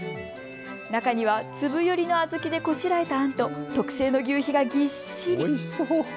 中には粒よりの小豆でこしらえたあんと特製のぎゅうひがぎっしり。